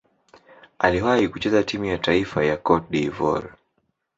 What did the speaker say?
Aliwahi kucheza timu ya taifa ya Cote d'Ivoire.